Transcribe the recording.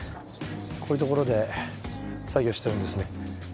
こういうところで作業してるんですね